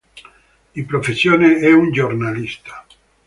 Di professione è un giornalista.